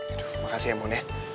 aduh makasih ya mon ya